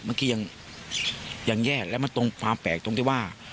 เมื่อกี้ยังแย่แล้วมันตรงความแปลกตรงที่ว่า